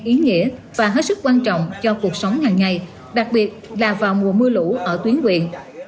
ý nghĩa và hết sức quan trọng cho cuộc sống hàng ngày đặc biệt là vào mùa mưa lũ ở tuyến quyện